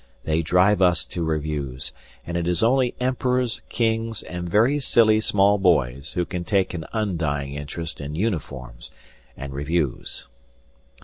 They drive us to reviews; and it is only emperors, kings, and very silly small boys who can take an undying interest in uniforms and reviews.